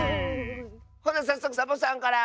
ほなさっそくサボさんから！